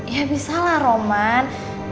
ya bisa lah roman